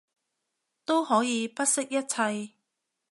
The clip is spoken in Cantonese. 都可以不惜一切